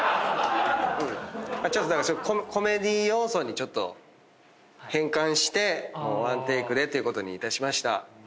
ちょっとだからコメディー要素に変換してワンテイクでということにいたしました。